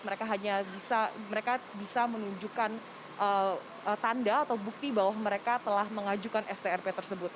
mereka hanya bisa mereka bisa menunjukkan tanda atau bukti bahwa mereka telah mengajukan strp tersebut